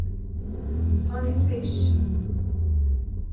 Tar ni swish?